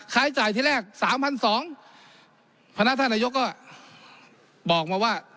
ใช้จ่ายที่แรกสามพันสองพนักท่านนายกก็บอกมาว่า